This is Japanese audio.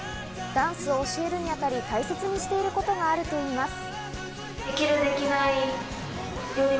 ダンスを教えるにあたり、大切にしていることがあるといいます。